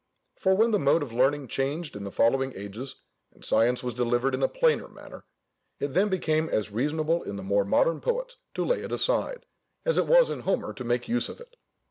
For when the mode of learning changed in the following ages, and science was delivered in a plainer manner, it then became as reasonable in the more modern poets to lay it aside, as it was in Homer to make use of it.